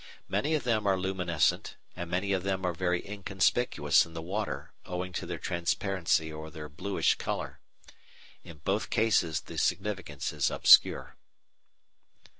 Many of them are luminescent, and many of them are very inconspicuous in the water owing to their transparency or their bluish colour. In both cases the significance is obscure.